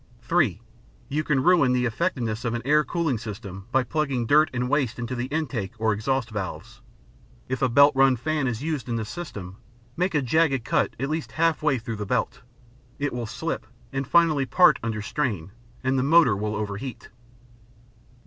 (3) You can ruin the effectiveness of an air cooling system by plugging dirt and waste into intake or exhaust valves. If a belt run fan is used in the system, make a jagged cut at least half way through the belt; it will slip and finally part under strain and the motor will overheat.